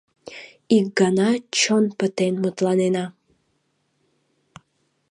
Ик гана чон пытен мутланена...